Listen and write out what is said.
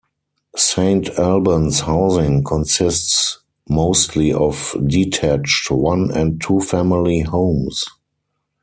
Saint Albans housing consists mostly of detached, one and two-family homes.